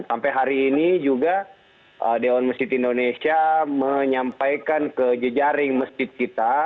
sampai hari ini juga dewan masjid indonesia menyampaikan ke jejaring masjid kita